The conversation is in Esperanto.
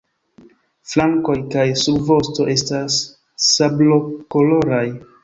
Flankoj kaj subvosto estas sablokoloraj.